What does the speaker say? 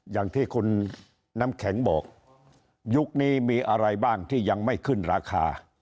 อย่างที่คุณน้ำแข็งบอกยุคนี้มีอะไรบ้างที่ยังไม่ขึ้นราคา